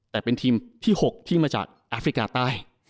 แต่เป็นทีมที่๖ที่มาจากแอฟริกาใต้